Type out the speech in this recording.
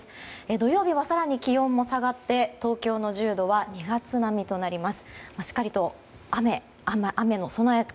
土曜日は更に気温も下がって東京の１０度は２月並みとなります。